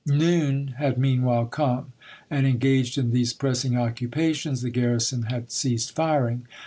Noon had meanwhile come, and, en gaged in these pressing occupations, the garrison had ceased firing.